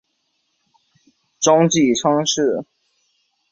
庄际昌为浙江按察司佥事庄用宾之曾孙。